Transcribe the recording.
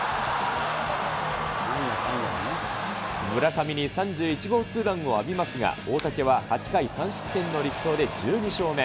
村上に３１号ツーランを浴びますが、大竹は８回３失点の力投で１２勝目。